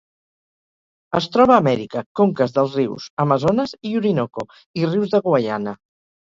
Es troba a Amèrica: conques dels rius Amazones i Orinoco, i rius de Guaiana.